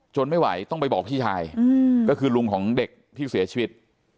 ไม่ไหวต้องไปบอกพี่ชายก็คือลุงของเด็กที่เสียชีวิต